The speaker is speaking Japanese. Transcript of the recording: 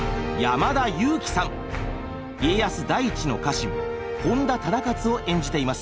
家康第一の家臣本多忠勝を演じています。